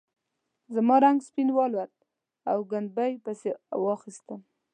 زما رنګ سپین والوت او ګبڼۍ پسې واخیستم.